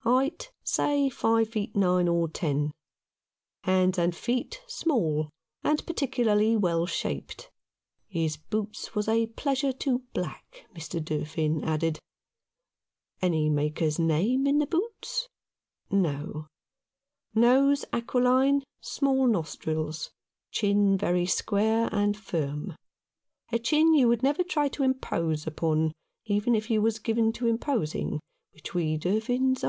Height, say five feet nine or ten. Hands and feet small, and particularly well shaped. His boots was a pleasure to black, Mr. Durfin added. Any maker's name in the boots ? No. Nose aquiline, small nostrils, chin very square and firm — a chin you would never try to impose upon, even if you was given to imposing, which we Durfins iSS Mr. Faunces Record.